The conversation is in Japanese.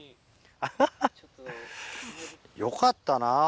アハハよかったな。